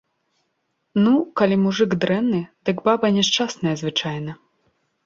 Ну, калі мужык дрэнны, дык баба няшчасная звычайна.